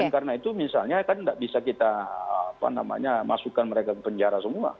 dan karena itu misalnya kan tidak bisa kita apa namanya masukkan mereka ke penjara semua